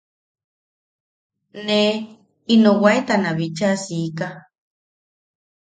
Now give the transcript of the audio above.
Ne ino waetana bichaa siika.